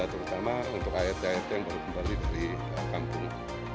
terutama untuk art art yang baru kembali dari kampung